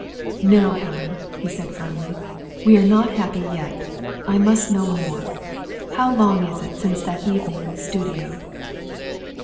"No, Helen," he said firmly. "We are not happy yet. I must know more. How long is it since that evening in the studio?"